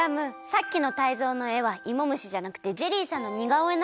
さっきのタイゾウのえはいもむしじゃなくてジェリーさんのにがおえ